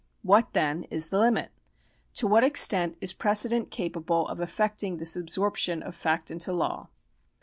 What, then, is the limit ? To what extent is precedent capable of effecting this absorption of fact into law